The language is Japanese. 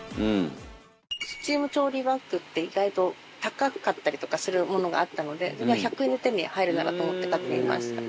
スチーム調理バッグって意外と高かったりとかするものがあったのでそれが１００円で手に入るならと思って買ってみました。